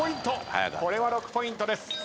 これは６ポイントです。